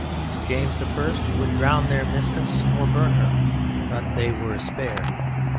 James I. would drown Their mistress or burn her, but They were spared.